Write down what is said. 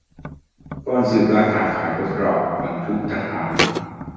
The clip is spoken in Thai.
ก่อนสืบราคาขายรถเกราะ-บรรทุกทหาร